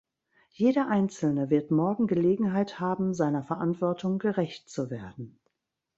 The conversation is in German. Jeder Einzelne wird morgen Gelegenheit haben, seiner Verantwortung gerecht zu werden.